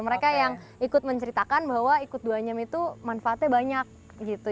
mereka yang ikut menceritakan bahwa ikut dua nyam itu manfaatnya banyak gitu